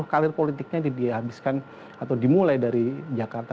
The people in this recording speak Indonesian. karir politiknya dihabiskan atau dimulai dari jakarta